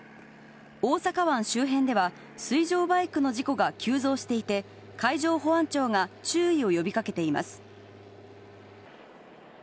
大阪湾周辺では、水上バイクの事故が急増していて、海上保安庁が注意を呼びかけています。